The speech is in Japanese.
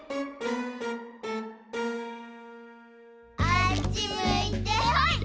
あっちむいてほい！